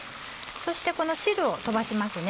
そしてこの汁を飛ばしますね。